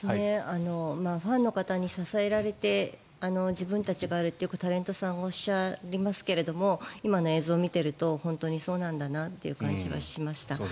ファンの方に支えられて自分たちがあるってタレントさんおっしゃりますけども今の映像を見ていると本当にそうなんだなという感じはしました。